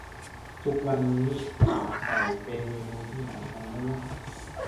ทุกวันนี่ ขาไก่เป็นเมนูที่หาทานได้ยาก